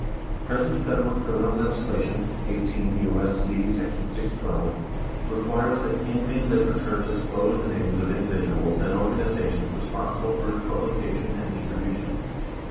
Present Federal criminal legislation, 18 U.S.C. § 612, requires that campaign literature disclose the names of individuals and organiza tions responsible for its publication and distribution.